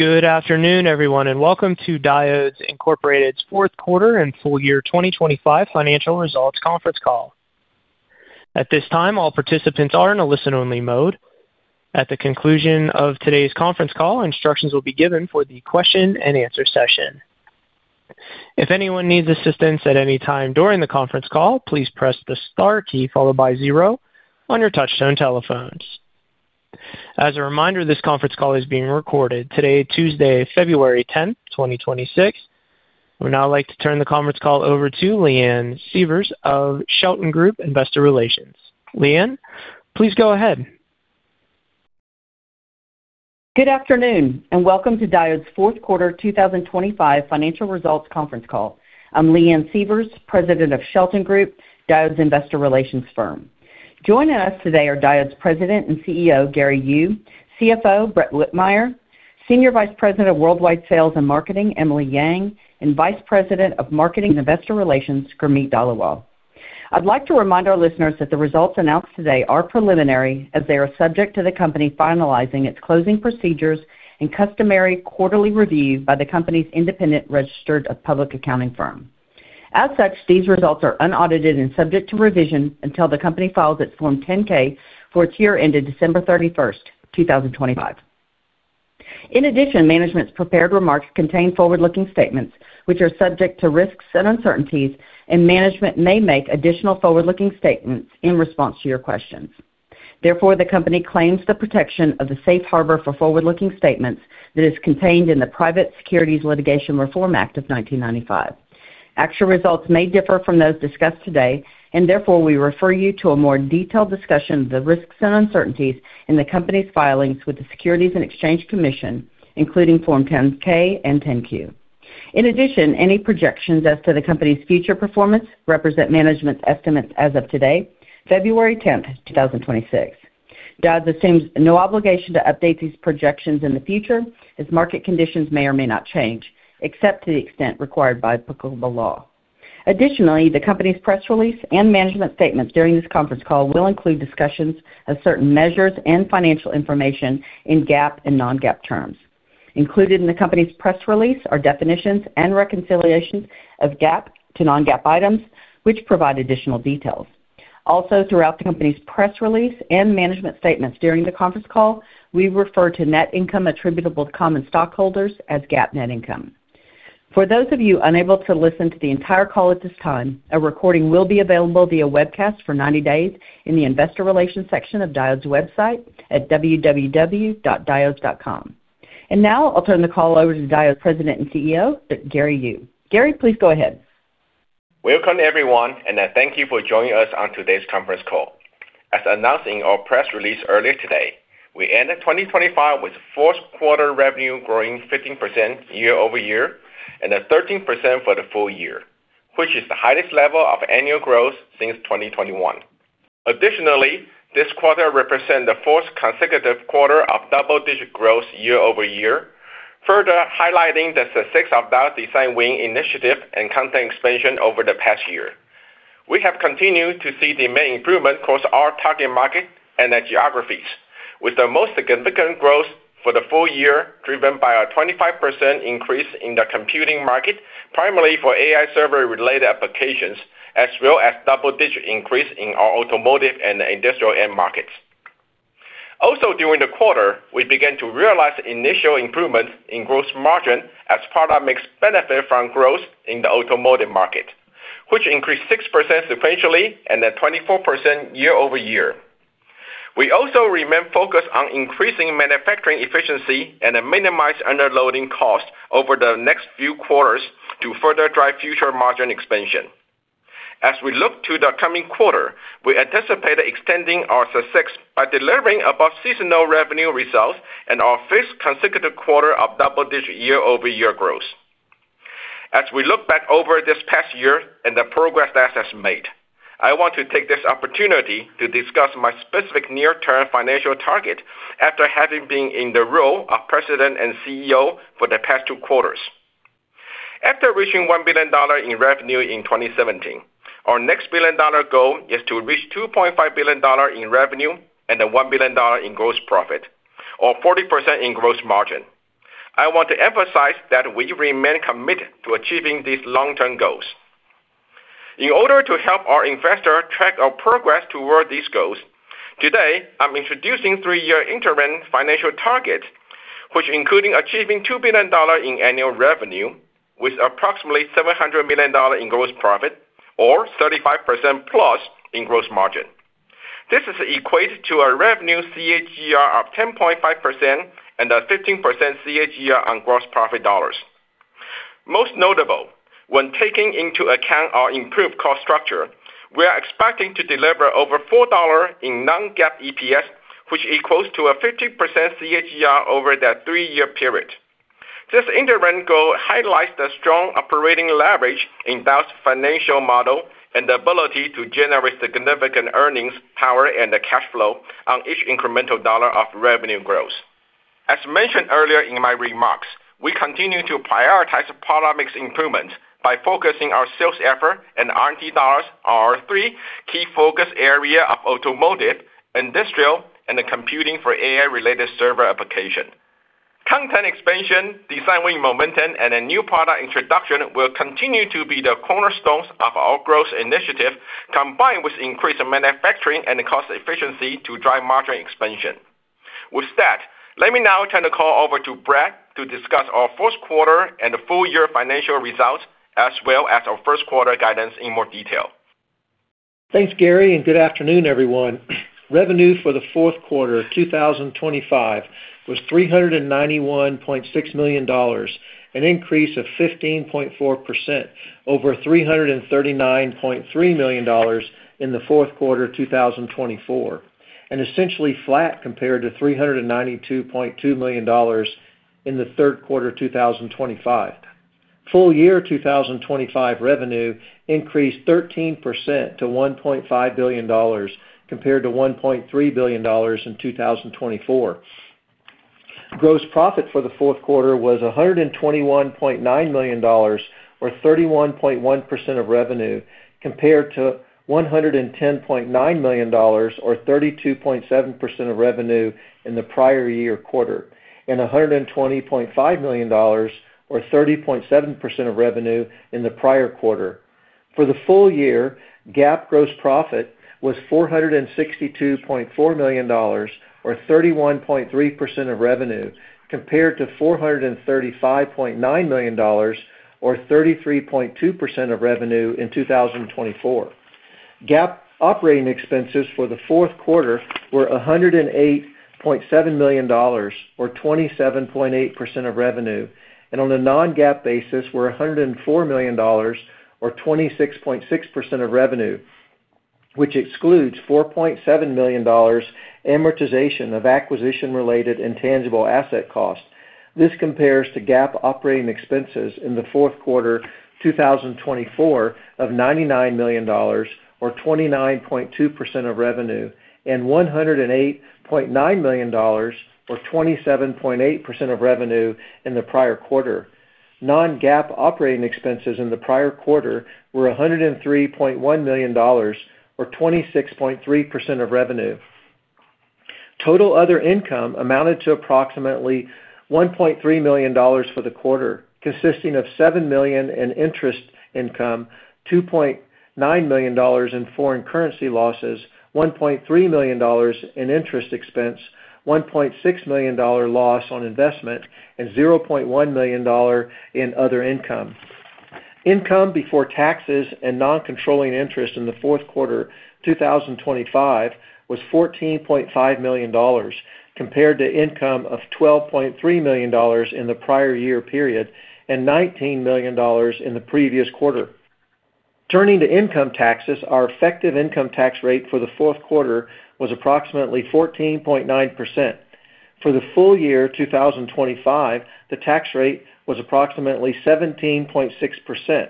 Good afternoon, everyone, and welcome to Diodes Incorporated's fourth quarter and full year 2025 financial results conference call. At this time, all participants are in a listen-only mode. At the conclusion of today's conference call, instructions will be given for the question and answer session. If anyone needs assistance at any time during the conference call, please press the star key followed by zero on your touchtone telephones. As a reminder, this conference call is being recorded today, Tuesday, February 10, 2026. I would now like to turn the conference call over to Leanne Sievers of Shelton Group Investor Relations. Leanne, please go ahead. Good afternoon, and welcome to Diodes' fourth quarter 2025 financial results conference call. I'm Leanne Sievers, President of Shelton Group, Diodes' investor relations firm. Joining us today are Diodes President and CEO, Gary Yu, CFO, Brett Whitmire, Senior Vice President of Worldwide Sales and Marketing, Emily Yang, and Vice President of Marketing and Investor Relations, Gurmeet Dhaliwal. I'd like to remind our listeners that the results announced today are preliminary, as they are subject to the company finalizing its closing procedures and customary quarterly review by the company's independent registered public accounting firm. As such, these results are unaudited and subject to revision until the company files its Form 10-K for its year ended December 31st, 2025. In addition, management's prepared remarks contain forward-looking statements, which are subject to risks and uncertainties, and management may make additional forward-looking statements in response to your questions. Therefore, the company claims the protection of the safe harbor for forward-looking statements that is contained in the Private Securities Litigation Reform Act of 1995. Actual results may differ from those discussed today, and therefore, we refer you to a more detailed discussion of the risks and uncertainties in the company's filings with the Securities and Exchange Commission, including Form 10-K and 10-Q. In addition, any projections as to the company's future performance represent management's estimates as of today, February 10, 2026. Diodes assumes no obligation to update these projections in the future as market conditions may or may not change, except to the extent required by applicable law. Additionally, the company's press release and management statements during this conference call will include discussions of certain measures and financial information in GAAP and non-GAAP terms. Included in the company's press release are definitions and reconciliations of GAAP to non-GAAP items, which provide additional details. Also, throughout the company's press release and management statements during the conference call, we refer to net income attributable to common stockholders as GAAP net income. For those of you unable to listen to the entire call at this time, a recording will be available via webcast for 90 days in the investor relations section of Diodes' website at www.diodes.com. And now, I'll turn the call over to Diodes President and CEO, Gary Yu. Gary, please go ahead. Welcome, everyone, and thank you for joining us on today's conference call. As announced in our press release earlier today, we ended 2025 with fourth quarter revenue growing 15% year-over-year and 13% for the full year, which is the highest level of annual growth since 2021. Additionally, this quarter represent the fourth consecutive quarter of double-digit growth year-over-year, further highlighting the success of our design win initiative and content expansion over the past year. We have continued to see demand improvement across our target market and the geographies, with the most significant growth for the full year driven by a 25% increase in the computing market, primarily for AI server-related applications, as well as double-digit increase in our automotive and industrial end markets. Also, during the quarter, we began to realize initial improvements in gross margin as product mix benefits from growth in the automotive market, which increased 6% sequentially and then 24% year-over-year. We also remain focused on increasing manufacturing efficiency and minimizing underloading costs over the next few quarters to further drive future margin expansion. As we look to the coming quarter, we anticipate extending our success by delivering above seasonal revenue results and our fifth consecutive quarter of double-digit year-over-year growth. As we look back over this past year and the progress that has been made, I want to take this opportunity to discuss my specific near-term financial targets after having been in the role of President and CEO for the past two quarters. After reaching $1 billion in revenue in 2017, our next billion-dollar goal is to reach $2.5 billion in revenue and $1 billion in gross profit, or 40% in gross margin. I want to emphasize that we remain committed to achieving these long-term goals. In order to help our investors track our progress toward these goals, today, I'm introducing three-year interim financial targets, which including achieving $2 billion in annual revenue with approximately $700 million in gross profit or 35%+ in gross margin. This is equates to a revenue CAGR of 10.5% and a 15% CAGR on gross profit dollars. Most notable, when taking into account our improved cost structure, we are expecting to deliver over $4 in non-GAAP EPS, which equals to a 50% CAGR over that three-year period. This interim goal highlights the strong operating leverage in Diodes' financial model and the ability to generate significant earnings, power, and the cash flow on each incremental dollar of revenue growth. As mentioned earlier in my remarks, we continue to prioritize product mix improvements by focusing our sales effort and R&D dollars on our three key focus area of automotive, industrial, and computing for AI-related server application. Content expansion, design win momentum, and a new product introduction will continue to be the cornerstones of our growth initiative, combined with increased manufacturing and cost efficiency to drive margin expansion. With that, let me now turn the call over to Brett to discuss our first quarter and full year financial results, as well as our first quarter guidance in more detail. Thanks, Gary, and good afternoon, everyone. Revenue for the fourth quarter of 2025 was $391.6 million, an increase of 15.4% over $339.3 million in the fourth quarter of 2024, and essentially flat compared to $392.2 million in the third quarter of 2025. Full year 2025 revenue increased 13% to $1.5 billion, compared to $1.3 billion in 2024. Gross profit for the fourth quarter was $121.9 million, or 31.1% of revenue, compared to $110.9 million, or 32.7% of revenue in the prior year quarter, and $120.5 million, or 30.7% of revenue in the prior quarter. For the full year, GAAP gross profit was $462.4 million, or 31.3% of revenue, compared to $435.9 million or 33.2% of revenue in 2024. GAAP operating expenses for the fourth quarter were $108.7 million, or 27.8% of revenue, and on a non-GAAP basis, were $104 million or 26.6% of revenue, which excludes $4.7 million amortization of acquisition-related intangible asset costs. This compares to GAAP operating expenses in the fourth quarter 2024 of $99 million, or 29.2% of revenue, and $108.9 million, or 27.8% of revenue, in the prior quarter. Non-GAAP operating expenses in the prior quarter were $103.1 million, or 26.3% of revenue. Total other income amounted to approximately $1.3 million for the quarter, consisting of $7 million in interest income, $2.9 million in foreign currency losses, $1.3 million in interest expense, $1.6 million dollar loss on investment, and $0.1 million dollar in other income. Income before taxes and non-controlling interest in the fourth quarter 2025 was $14.5 million, compared to income of $12.3 million in the prior year period and $19 million in the previous quarter. Turning to income taxes, our effective income tax rate for the fourth quarter was approximately 14.9%. For the full year 2025, the tax rate was approximately 17.6%.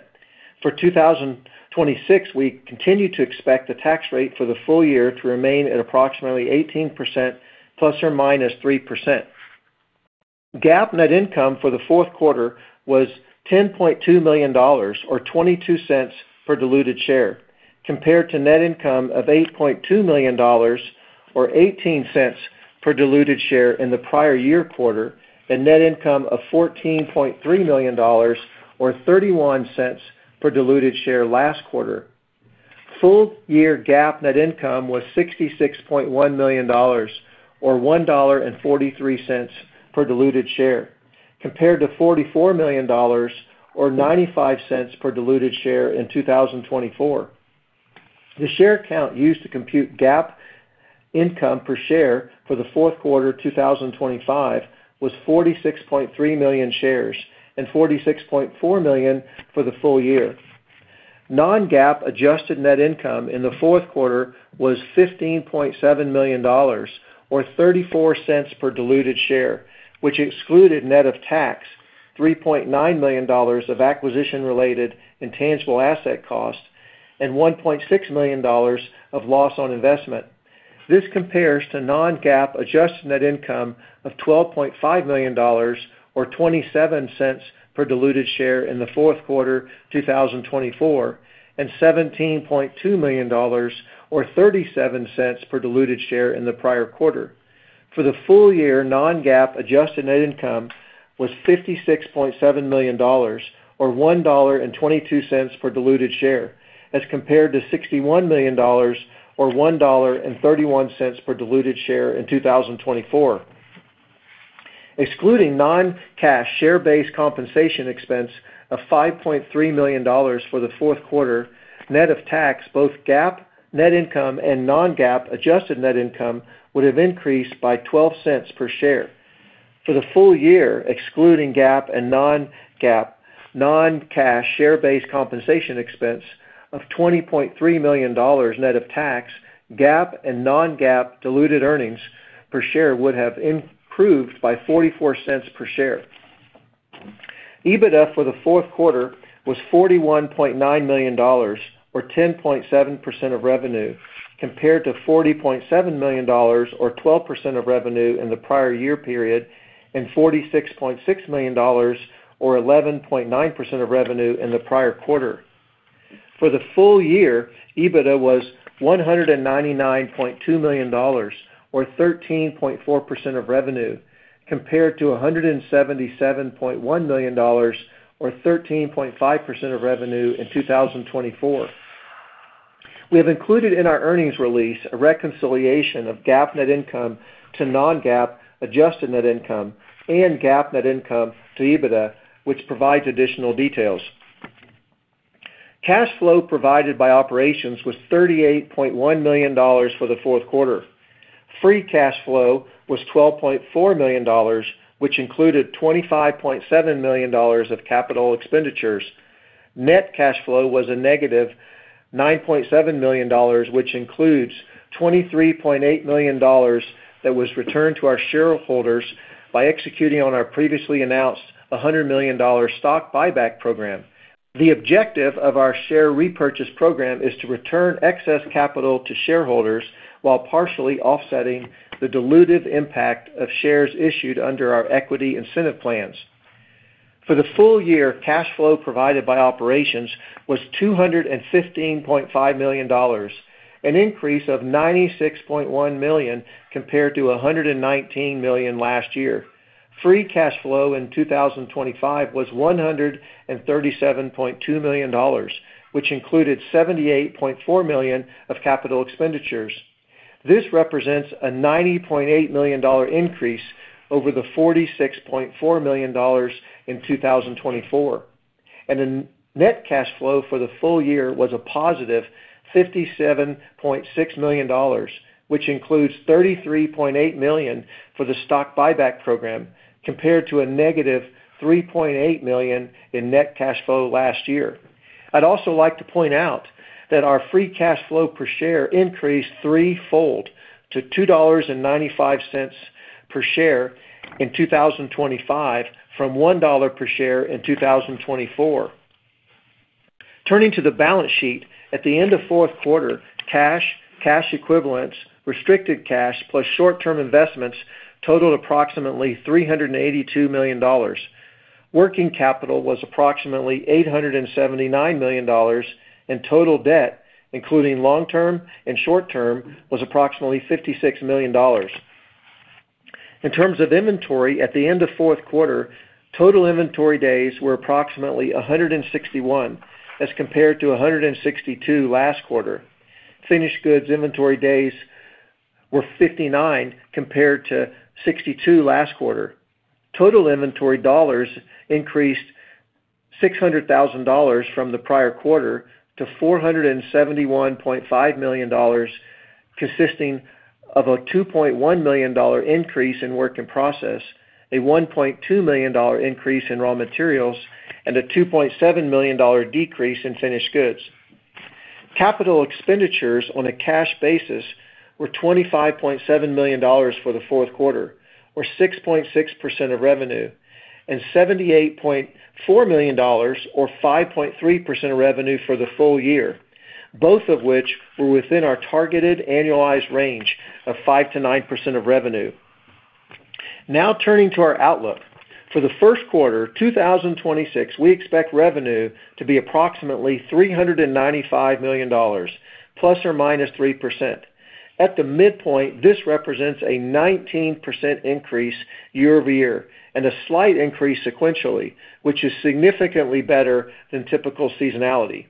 For 2026, we continue to expect the tax rate for the full year to remain at approximately 18%, ±3%. GAAP net income for the fourth quarter was $10.2 million, or $0.22 per diluted share, compared to net income of $8.2 million, or $0.18 per diluted share in the prior year quarter, and net income of $14.3 million, or $0.31 per diluted share last quarter. Full year GAAP net income was $66.1 million, or $1.43 per diluted share, compared to $44 million, or $0.95 per diluted share in 2024. The share count used to compute GAAP income per share for the fourth quarter 2025 was 46.3 million shares, and 46.4 million for the full year. Non-GAAP adjusted net income in the fourth quarter was $15.7 million, or $0.34 per diluted share, which excluded net of tax, $3.9 million of acquisition-related intangible asset costs, and $1.6 million of loss on investment. This compares to non-GAAP adjusted net income of $12.5 million, or $0.27 per diluted share in the fourth quarter 2024, and $17.2 million, or $0.37 per diluted share in the prior quarter. For the full year, non-GAAP adjusted net income was $56.7 million, or $1.22 per diluted share, as compared to $61 million or $1.31 per diluted share in 2024. Excluding non-cash share-based compensation expense of $5.3 million for the fourth quarter, net of tax, both GAAP net income and non-GAAP adjusted net income would have increased by $0.12 per share. For the full year, excluding GAAP and non-GAAP non-cash share-based compensation expense of $20.3 million net of tax, GAAP and non-GAAP diluted earnings per share would have improved by $0.44 per share. EBITDA for the fourth quarter was $41.9 million, or 10.7% of revenue, compared to $40.7 million or 12% of revenue in the prior year period, and $46.6 million or 11.9% of revenue in the prior quarter. For the full year, EBITDA was $199.2 million or 13.4% of revenue, compared to $177.1 million or 13.5% of revenue in 2024. We have included in our earnings release a reconciliation of GAAP net income to non-GAAP adjusted net income and GAAP net income to EBITDA, which provides additional details. Cash flow provided by operations was $38.1 million for the fourth quarter. Free cash flow was $12.4 million, which included $25.7 million of capital expenditures. Net cash flow was a $-9.7 million, which includes $23.8 million that was returned to our shareholders by executing on our previously announced $100 million stock buyback program. The objective of our share repurchase program is to return excess capital to shareholders while partially offsetting the dilutive impact of shares issued under our equity incentive plans. For the full year, cash flow provided by operations was $215.5 million, an increase of $96.1 million compared to $119 million last year. Free cash flow in 2025 was $137.2 million, which included $78.4 million of capital expenditures. This represents a $90.8 million increase over the $46.4 million in 2024, and the net cash flow for the full year was a $+57.6 million, which includes $33.8 million for the stock buyback program, compared to a $-3.8 million in net cash flow last year. I'd also like to point out that our free cash flow per share increased threefold to $2.95 per share in 2025 from $1 per share in 2024. Turning to the balance sheet, at the end of fourth quarter, cash, cash equivalents, restricted cash, plus short-term investments totaled approximately $382 million. Working capital was approximately $879 million, and total debt, including long-term and short-term, was approximately $56 million. In terms of inventory, at the end of fourth quarter, total inventory days were approximately 161, as compared to 162 last quarter. Finished goods inventory days were 59 compared to 62 last quarter. Total inventory dollars increased $600,000 from the prior quarter to $471.5 million, consisting of a $2.1 million increase in work in process, a $1.2 million increase in raw materials, and a $2.7 million decrease in finished goods. Capital expenditures on a cash basis were $25.7 million for the fourth quarter, or 6.6% of revenue, and $78.4 million or 5.3% of revenue for the full year, both of which were within our targeted annualized range of 5%-9% of revenue. Now, turning to our outlook. For the first quarter 2026, we expect revenue to be approximately $395 million, ±3%. At the midpoint, this represents a 19% increase year-over-year and a slight increase sequentially, which is significantly better than typical seasonality.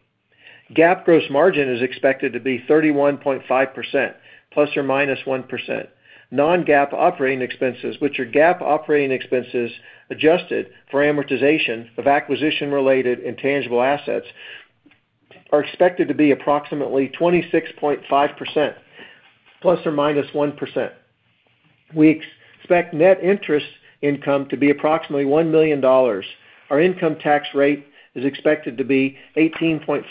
GAAP gross margin is expected to be 31.5%, ±1%. Non-GAAP operating expenses, which are GAAP operating expenses, adjusted for amortization of acquisition-related intangible assets, are expected to be approximately 26.5%, ±1%. We expect net interest income to be approximately $1 million. Our income tax rate is expected to be 18.5%,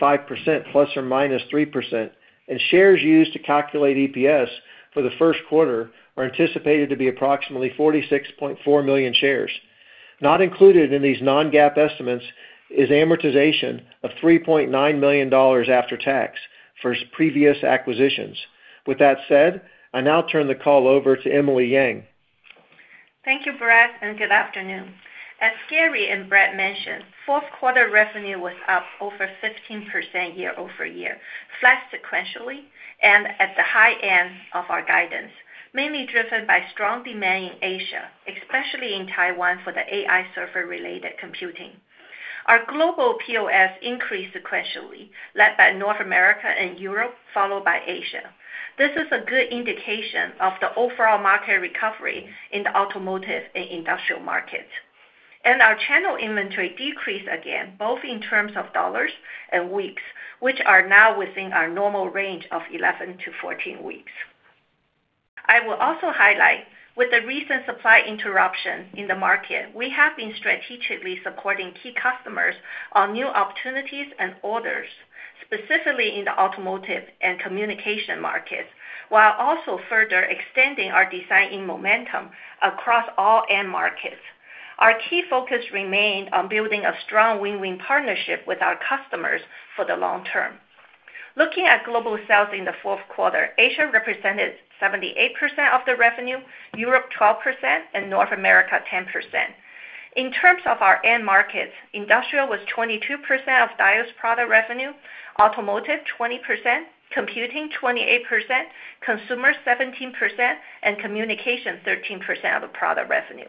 ±3%, and shares used to calculate EPS for the first quarter are anticipated to be approximately 46.4 million shares. Not included in these non-GAAP estimates is amortization of $3.9 million after tax for previous acquisitions. With that said, I now turn the call over to Emily Yang. Thank you, Brett, and good afternoon. As Gary and Brett mentioned, fourth quarter revenue was up over 15% year-over-year, flat sequentially, and at the high end of our guidance, mainly driven by strong demand in Asia, especially in Taiwan, for the AI server-related computing. Our global POS increased sequentially, led by North America and Europe, followed by Asia. This is a good indication of the overall market recovery in the automotive and industrial markets. Our channel inventory decreased again, both in terms of dollars and weeks, which are now within our normal range of 11-14 weeks. I will also highlight, with the recent supply interruption in the market, we have been strategically supporting key customers on new opportunities and orders. Specifically in the automotive and communication markets, while also further extending our design in momentum across all end markets. Our key focus remained on building a strong win-win partnership with our customers for the long term. Looking at global sales in the fourth quarter, Asia represented 78% of the revenue, Europe 12%, and North America 10%. In terms of our end markets, industrial was 22% of Diodes' product revenue, automotive 20%, computing 28%, consumer 17%, and communication 13% of the product revenue.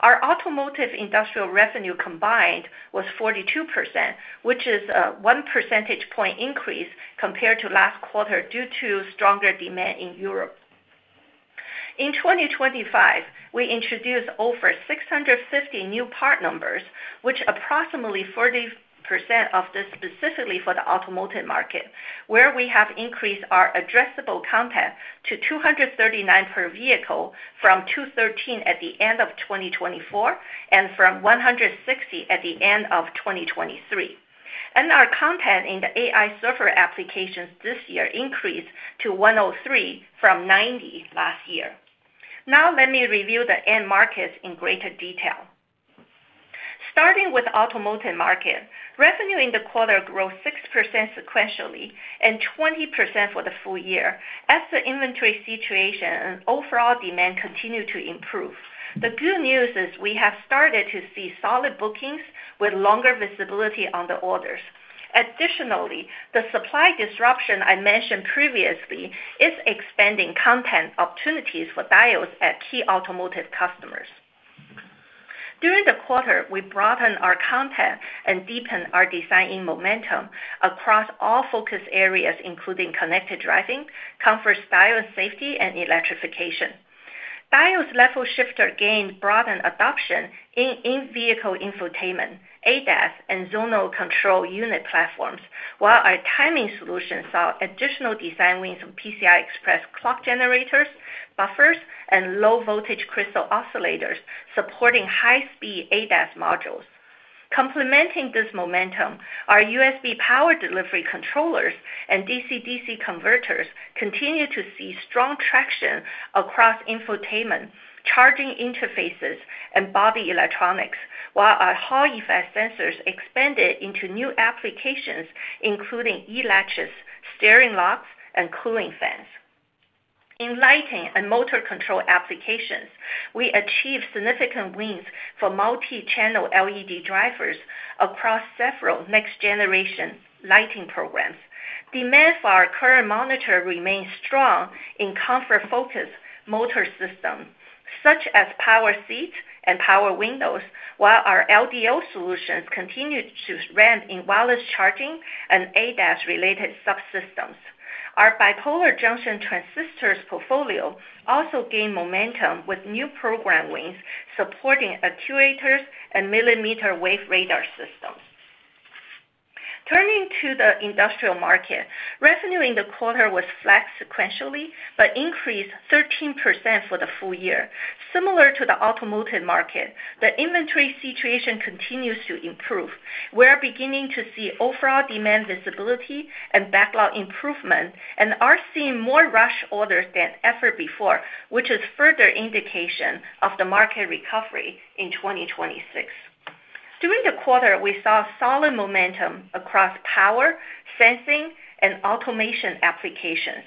Our automotive industrial revenue combined was 42%, which is, one percentage point increase compared to last quarter due to stronger demand in Europe. In 2025, we introduced over 650 new part numbers, which approximately 40% of this specifically for the automotive market, where we have increased our addressable content to 239 per vehicle from 213 at the end of 2024, and from 160 at the end of 2023. Our content in the AI server applications this year increased to 103 from 90 last year. Now let me review the end markets in greater detail. Starting with automotive market, revenue in the quarter grew 6% sequentially and 20% for the full year, as the inventory situation and overall demand continued to improve. The good news is we have started to see solid bookings with longer visibility on the orders. Additionally, the supply disruption I mentioned previously is expanding content opportunities for Diodes at key automotive customers. During the quarter, we broadened our content and deepened our design-in momentum across all focus areas, including connected driving, comfort, style, safety, and electrification. Diodes level shifter gained broader adoption in in-vehicle infotainment, ADAS, and zonal control unit platforms, while our timing solution saw additional design wins from PCI Express clock generators, buffers, and low-voltage crystal oscillators supporting high-speed ADAS modules. Complementing this momentum, our USB Power Delivery controllers and DC-DC converters continue to see strong traction across infotainment, charging interfaces, and body electronics, while our Hall effect sensors expanded into new applications, including e-latches, steering locks, and cooling fans. In lighting and motor control applications, we achieved significant wins for multi-channel LED drivers across several next-generation lighting programs. Demand for our current monitor remains strong in comfort-focused motor systems, such as power seats and power windows, while our LDO solutions continued to ramp in wireless charging and ADAS-related subsystems. Our bipolar junction transistors portfolio also gained momentum with new program wins, supporting actuators and millimeter wave radar systems. Turning to the industrial market, revenue in the quarter was flat sequentially, but increased 13% for the full year. Similar to the automotive market, the inventory situation continues to improve. We are beginning to see overall demand visibility and backlog improvement, and are seeing more rush orders than ever before, which is further indication of the market recovery in 2026. During the quarter, we saw solid momentum across power, sensing, and automation applications.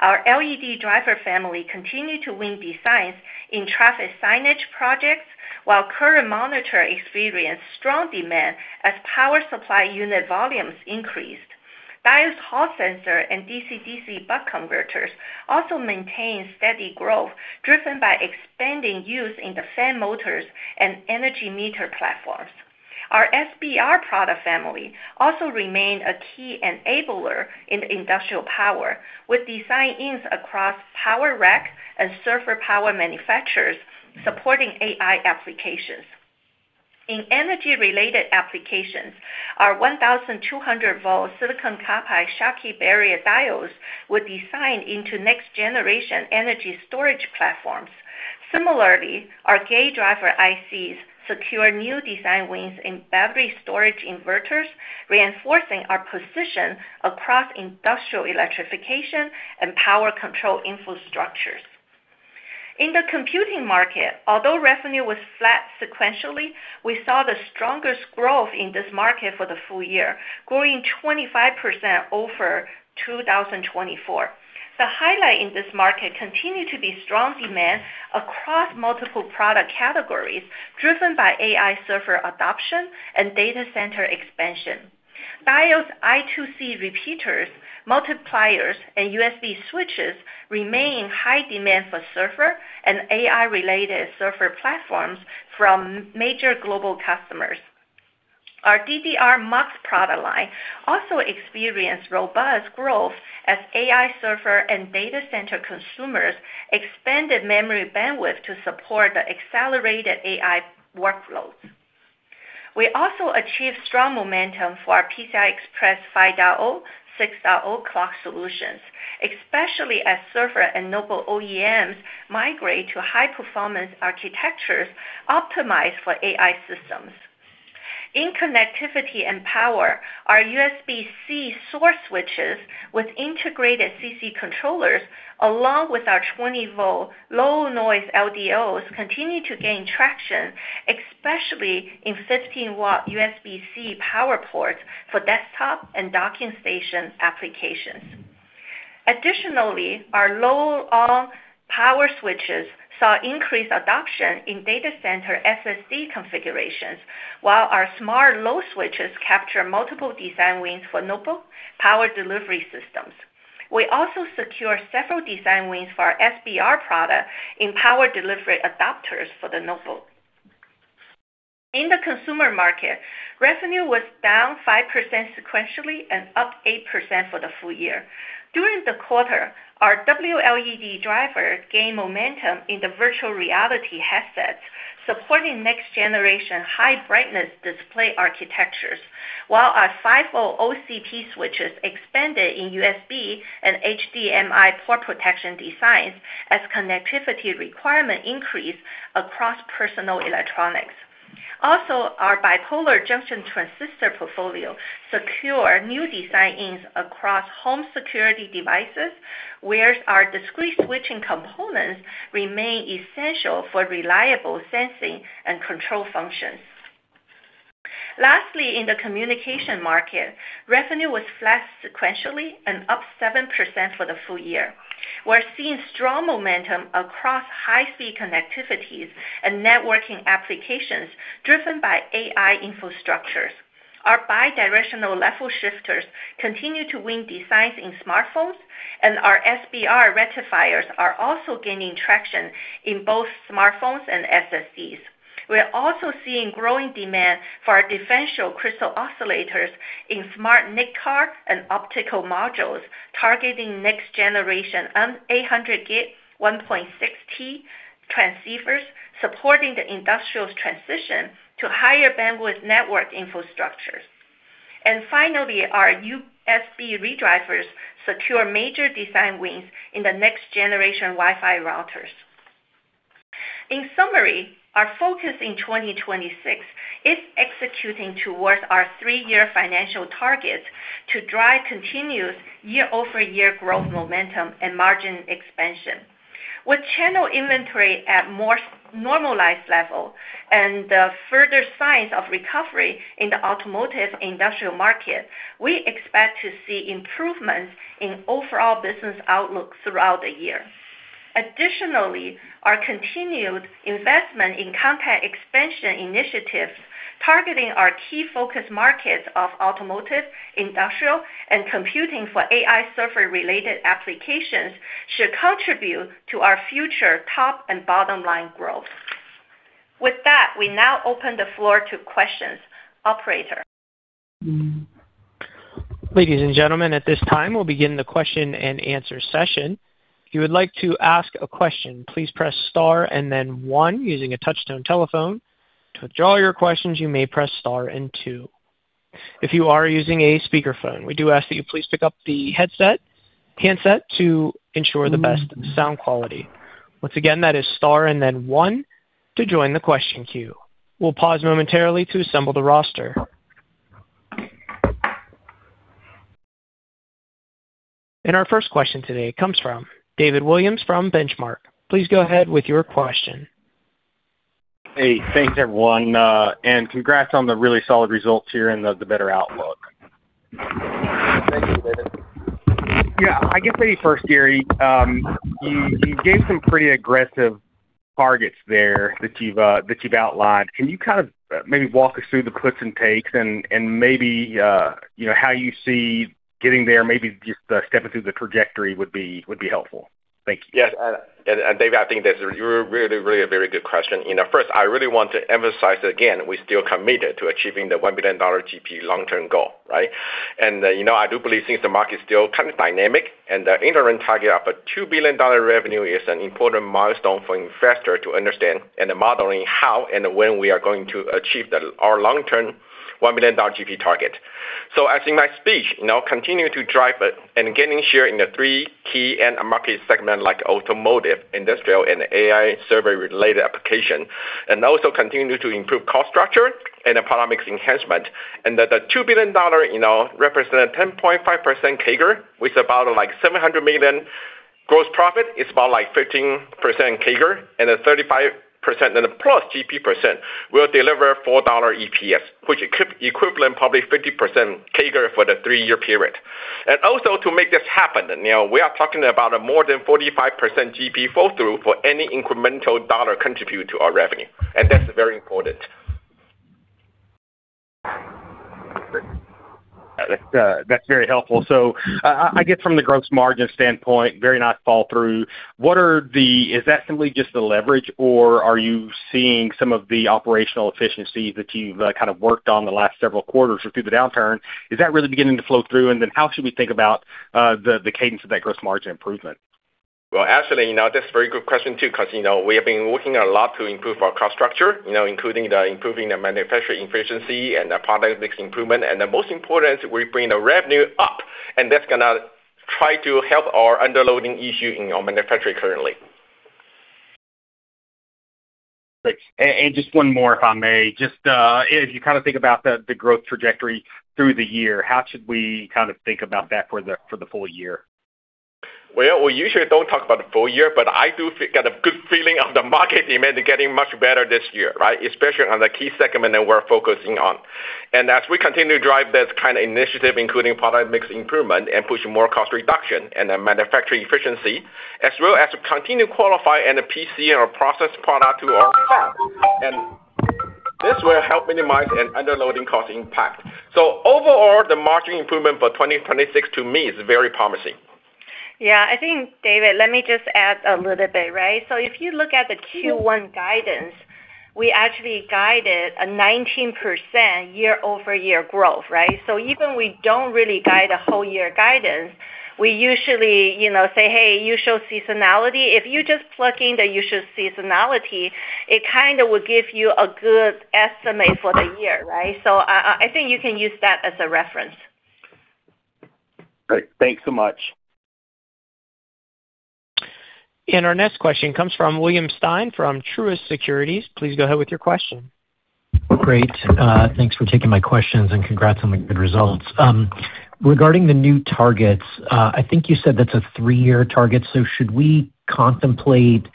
Our LED driver family continued to win designs in traffic signage projects, while current monitor experienced strong demand as power supply unit volumes increased. Diodes Hall Sensor and DC-DC buck converters also maintained steady growth, driven by expanding use in the fan motors and energy meter platforms. Our SBR product family also remained a key enabler in industrial power, with design wins across power rack and server power manufacturers supporting AI applications. In energy-related applications, our 1,200 V silicon carbide Schottky barrier diodes were designed into next-generation energy storage platforms. Similarly, our gate driver ICs secure new design wins in battery storage inverters, reinforcing our position across industrial electrification and power control infrastructures. In the computing market, although revenue was flat sequentially, we saw the strongest growth in this market for the full year, growing 25% over 2024. The highlight in this market continued to be strong demand across multiple product categories, driven by AI server adoption and data center expansion. Diodes I2C repeaters, multipliers, and USB switches remain in high demand for server and AI-related server platforms from major global customers. Our DDR MUX product line also experienced robust growth as AI server and data center consumers expanded memory bandwidth to support the accelerated AI workloads. We also achieved strong momentum for our PCI Express 5.0, 6.0 clock solutions, especially as server and notebook OEMs migrate to high-performance architectures optimized for AI systems. In connectivity and power, our USB-C source switches with integrated CC controllers, along with our 20 V low noise LDOs, continue to gain traction, especially in 15 W USB-C power ports for desktop and docking station applications. Additionally, our load power switches saw increased adoption in data center SSD configurations, while our smart load switches capture multiple design wins for notebook power delivery systems. We also secure several design wins for our SBR product in power delivery adapters for the notebook. In the consumer market, revenue was down 5% sequentially and up 8% for the full year. During the quarter, our WLED driver gained momentum in the virtual reality headsets, supporting next generation high brightness display architectures, while our 5 OCP switches expanded in USB and HDMI port protection designs as connectivity requirement increase across personal electronics. Also, our bipolar junction transistor portfolio secure new design wins across home security devices, where our discrete switching components remain essential for reliable sensing and control functions. Lastly, in the communication market, revenue was flat sequentially and up 7% for the full year. We're seeing strong momentum across high speed connectivities and networking applications, driven by AI infrastructures. Our bidirectional level shifters continue to win designs in smartphones, and our SBR rectifiers are also gaining traction in both smartphones and SSDs. We are also seeing growing demand for our differential crystal oscillators in SmartNIC and optical modules, targeting next-generation 800 G, 1.6 T transceivers, supporting the industrial transition to higher bandwidth network infrastructures. Finally, our USB redrivers secure major design wins in the next-generation Wi-Fi routers. In summary, our focus in 2026 is executing towards our three-year financial targets to drive continuous year-over-year growth, momentum, and margin expansion. With channel inventory at more normalized level and the further signs of recovery in the automotive industrial market, we expect to see improvements in overall business outlook throughout the year. Additionally, our continued investment in compact expansion initiatives targeting our key focus markets of automotive, industrial, and computing for AI server related applications, should contribute to our future top and bottom line growth. With that, we now open the floor to questions. Operator? Ladies and gentlemen, at this time, we'll begin the question and answer session. If you would like to ask a question, please press star and then one using a touchtone telephone. To withdraw your questions, you may press star and two. If you are using a speakerphone, we do ask that you please pick up the headset, handset to ensure the best sound quality. Once again, that is star and then one to join the question queue. We'll pause momentarily to assemble the roster. Our first question today comes from David Williams from Benchmark. Please go ahead with your question. Hey, thanks, everyone, and congrats on the really solid results here and the better outlook. Yeah, I guess maybe first, Gary, you gave some pretty aggressive targets there that you've outlined. Can you kind of maybe walk us through the cliffs and takes and maybe you know how you see getting there, maybe just stepping through the trajectory would be helpful. Thank you. Yes, David, I think that's really, really a very good question. You know, first, I really want to emphasize again, we're still committed to achieving the $1 billion GP long-term goal, right? And, you know, I do believe since the market is still kind of dynamic and the interim target of a $2 billion revenue is an important milestone for investor to understand and modeling how and when we are going to achieve the, our long-term $1 billion GP target. So as in my speech, you know, continue to drive and gaining share in the three key end market segment, like automotive, industrial, and AI server-related application, and also continue to improve cost structure and the product mix enhancement. That the $2 billion, you know, represent 10.5% CAGR, with about, like, $700 million gross profit, is about, like, 15% CAGR, and a 35% and plus GP percent will deliver $4 EPS, which equivalent probably 50% CAGR for the three-year period. And also, to make this happen, you know, we are talking about a more than 45% GP flow through for any incremental dollar contribute to our revenue, and that's very important. That's very helpful. So I guess from the gross margin standpoint, very nice fall through. Is that simply just the leverage, or are you seeing some of the operational efficiencies that you've kind of worked on the last several quarters or through the downturn? Is that really beginning to flow through? And then how should we think about the cadence of that gross margin improvement? Well, actually, you know, that's a very good question, too, 'cause, you know, we have been working a lot to improve our cost structure, you know, including the improving the manufacturing efficiency and the product mix improvement. And the most important, we bring the revenue up, and that's gonna try to help our underloading issue in our manufacturing currently. Great. And just one more, if I may. Just, if you kind of think about the growth trajectory through the year, how should we kind of think about that for the full year? Well, we usually don't talk about the full year, but I do get a good feeling of the market demand getting much better this year, right? Especially on the key segment that we're focusing on. And as we continue to drive this kind of initiative, including product mix improvement and push more cost reduction and then manufacturing efficiency, as well as to continue to qualify in the PC or process product to our fab. And this will help minimize an underloading cost impact. So overall, the market improvement for 2026 to me is very promising. Yeah, I think, David, let me just add a little bit, right? So if you look at the Q1 guidance, we actually guided a 19% year-over-year growth, right? So even we don't really guide a whole year guidance, we usually, you know, say, "Hey, usual seasonality." If you just plug in the usual seasonality, it kind of will give you a good estimate for the year, right? So I think you can use that as a reference. Great. Thanks so much. Our next question comes from William Stein, from Truist Securities. Please go ahead with your question. Great. Thanks for taking my questions, and congrats on the good results. Regarding the new targets, I think you said that's a three-year target, so should we contemplate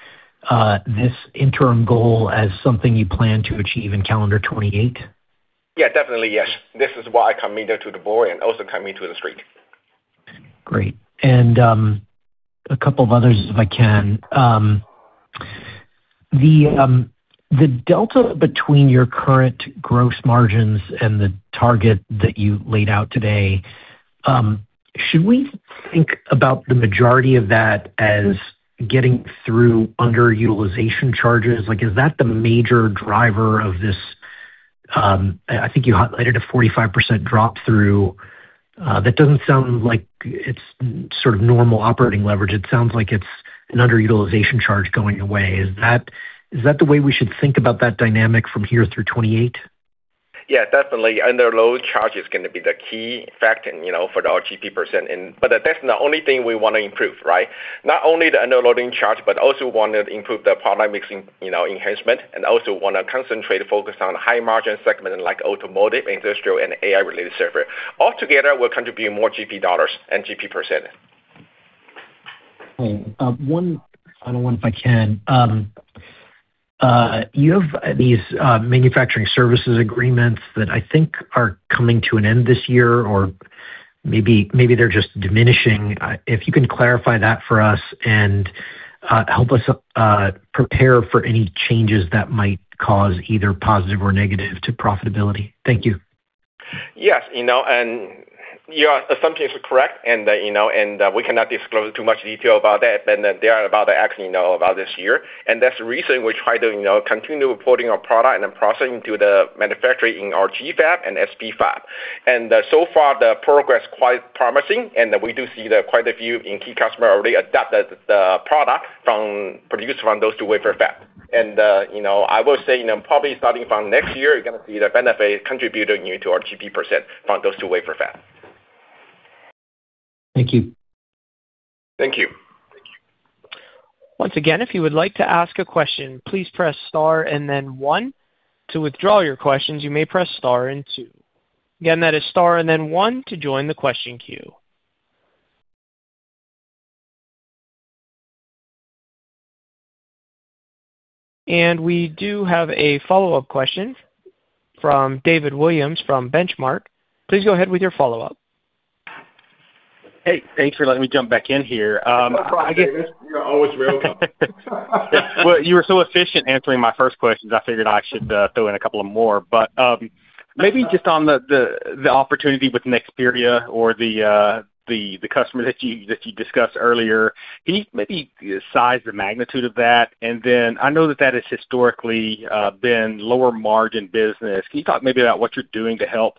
this interim goal as something you plan to achieve in calendar 2028? Yeah, definitely, yes. This is why I committed to the board and also committed to the street. Great. A couple of others, if I can. The, the delta between your current gross margins and the target that you laid out today, should we think about the majority of that as getting through underutilization charges? Like, is that the major driver of this. I, I think you highlighted a 45% drop through. That doesn't sound like it's sort of normal operating leverage. It sounds like it's an underutilization charge going away. Is that, is that the way we should think about that dynamic from here through 2028? Yeah, definitely. Underload charge is gonna be the key factor, you know, for our GP percent, and, but that's not the only thing we want to improve, right? Not only the underloading charge, but also want to improve the product mixing, you know, enhancement, and also want to concentrate and focus on high margin segment, like automotive, industrial, and AI-related server. Altogether, will contribute more GP dollars and GP percent. Great. One final one, if I can. You have these manufacturing services agreements that I think are coming to an end this year or maybe, maybe they're just diminishing. If you can clarify that for us and help us prepare for any changes that might cause either positive or negative to profitability. Thank you. Yes, you know, and your assumption is correct, and, you know, and, we cannot disclose too much detail about that, but they are about to actually know about this year. And that's the reason we try to, you know, continue reporting our product and then processing to the manufacturing in our GFAB and SFAB. And so far, the progress quite promising, and we do see that quite a few in key customer already adopt the product produced from those two wafer fab. And, you know, I will say, you know, probably starting from next year, you're gonna see the benefit contributing to our GP percent from those two wafer fab. Thank you. Thank you. Once again, if you would like to ask a question, please press star and then one. To withdraw your questions, you may press star and two. Again, that is star and then one to join the question queue. We do have a follow-up question from David Williams from Benchmark. Please go ahead with your follow-up. Hey, thanks for letting me jump back in here. You're always welcome. Well, you were so efficient answering my first questions, I figured I should throw in a couple of more. But, maybe just on the opportunity with Nexperia or the customer that you discussed earlier, can you maybe size the magnitude of that? And then I know that that has historically been lower margin business. Can you talk maybe about what you're doing to help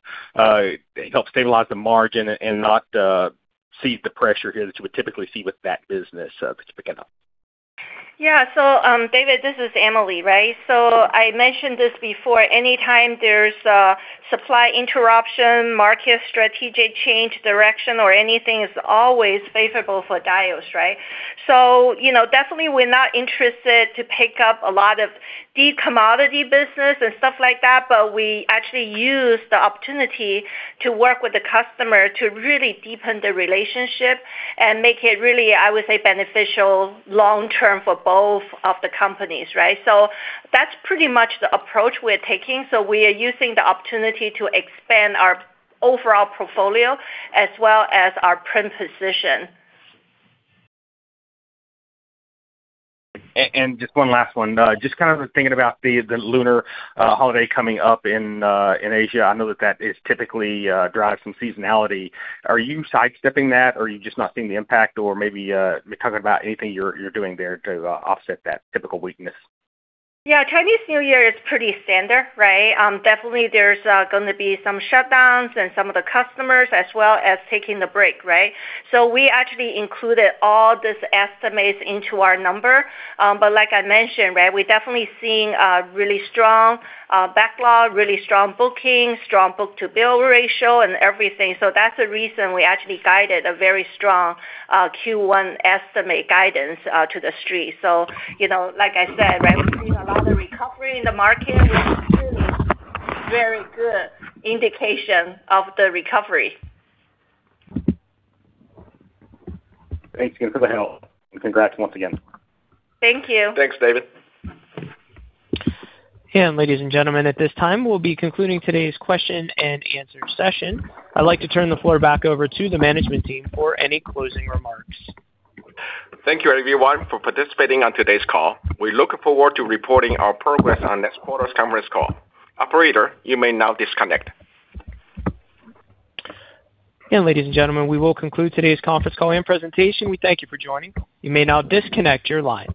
stabilize the margin and not see the pressure here that you would typically see with that business picking up? Yeah. So, David, this is Emily, right? So I mentioned this before. Anytime there's a supply interruption, market strategic change direction or anything, is always favorable for Diodes, right? So, you know, definitely we're not interested to pick up a lot of deep commodity business and stuff like that, but we actually use the opportunity to work with the customer to really deepen the relationship and make it really, I would say, beneficial long term for both of the companies, right? So that's pretty much the approach we're taking. So we are using the opportunity to expand our overall portfolio as well as our prime position. And just one last one. Just kind of thinking about the Lunar holiday coming up in Asia. I know that that is typically drives some seasonality. Are you sidestepping that or are you just not seeing the impact or maybe talking about anything you're doing there to offset that typical weakness? Yeah, Chinese New Year is pretty standard, right? Definitely there's gonna be some shutdowns and some of the customers as well as taking the break, right? So we actually included all these estimates into our number. But like I mentioned, right, we're definitely seeing a really strong backlog, really strong booking, strong book-to-bill ratio and everything. So that's the reason we actually guided a very strong Q1 estimate guidance to the street. So, you know, like I said, right, we've seen a lot of recovery in the market. Very good indication of the recovery. Thank you for the help, and congrats once again. Thank you. Thanks, David. Ladies and gentlemen, at this time, we'll be concluding today's question and answer session. I'd like to turn the floor back over to the management team for any closing remarks. Thank you, everyone, for participating on today's call. We look forward to reporting our progress on next quarter's conference call. Operator, you may now disconnect. Ladies and gentlemen, we will conclude today's conference call and presentation. We thank you for joining. You may now disconnect your line.